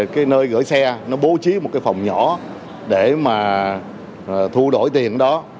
cái nơi gửi xe nó bố trí một cái phòng nhỏ để mà thu đổi tiền đó